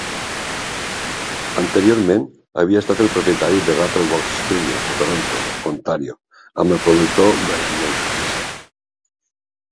Anteriorment, havia estat el propietari de Rattlebox Studios a Toronto, Ontàrio, amb el productor Brian Moncarz.